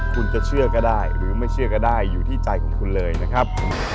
คุณจะเชื่อก็ได้หรือไม่เชื่อก็ได้อยู่ที่ใจของคุณเลยนะครับ